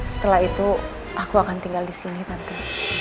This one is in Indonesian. setelah itu aku akan tinggal disini tante